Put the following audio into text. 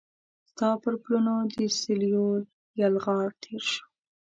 ستا پر پلونو د سیلېو یلغار تیر شو